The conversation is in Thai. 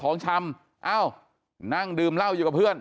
นั่งดื่มเหล้าอยู่กับเพื่อน